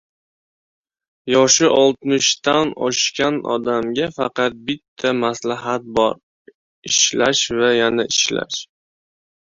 Yoshi oltmishdan oshgan odamga faqat bitta maslahatim bor: ishlash va yana ishlash!